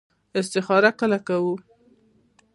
استخاره کله کوو؟